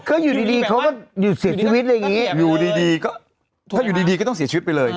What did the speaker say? คืออยู่ดีเขาก็หยุดเสียชีวิตอะไรอย่างนี้อยู่ดีก็ถ้าอยู่ดีก็ต้องเสียชีวิตไปเลย